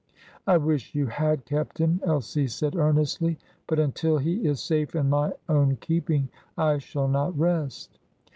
"I wish you had kept him," Elsie said earnestly. "But until he is safe in my own keeping I shall not rest."